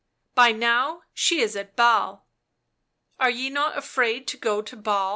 " By now she is at Basle." " Are ye not afraid to go to Basle